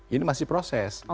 ini masih proses